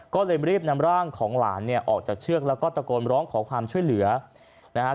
ก็เลยรีบนำร่างของหลานเนี่ยออกจากเชือกแล้วก็ตะโกนร้องขอความช่วยเหลือนะฮะ